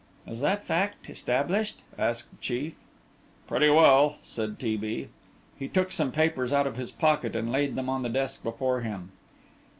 "Is that fact established?" asked the chief. "Pretty well," said T. B. He took some papers out of his pocket and laid them on the desk before him.